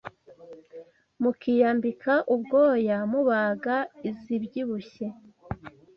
mukiyambika ubwoya mubaga izibyibushye